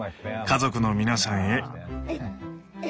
「家族の皆さんへ」。